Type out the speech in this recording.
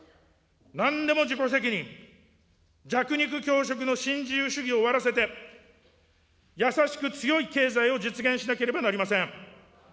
なんでも自己責任、弱肉強食の新自由主義を終わらせて、やさしく、強い経済を実現しなければなりません。